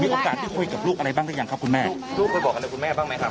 โอกาสได้คุยกับลูกอะไรบ้างหรือยังครับคุณแม่ลูกเคยบอกอะไรคุณแม่บ้างไหมครับ